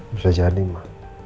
bisa jadi ma